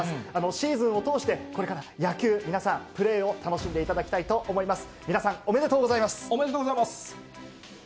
シーズンを通して、これから野球、皆さん、プレーを楽しんでいただきたいと思います。